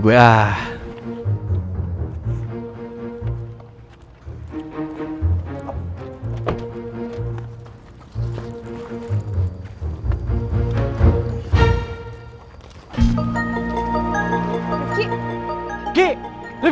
aku mau pergi ke rumah